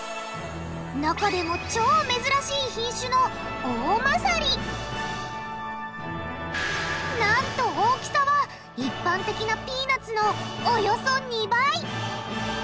中でも超珍しい品種のなんと大きさは一般的なピーナツのおよそ２倍！